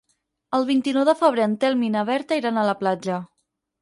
El vint-i-nou de febrer en Telm i na Berta iran a la platja.